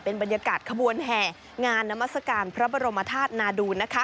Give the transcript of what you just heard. บรรยากาศขบวนแห่งานนามัศกาลพระบรมธาตุนาดูน